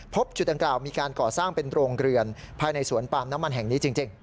จุดดังกล่าวมีการก่อสร้างเป็นโรงเรือนภายในสวนปาล์มน้ำมันแห่งนี้จริง